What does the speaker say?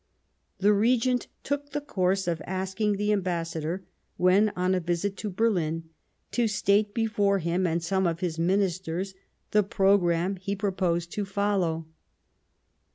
The Regent took the course of asking the Am bassador, when on a visit to Berlin, to state before him and some of his Ministers the programme he proposed to follow.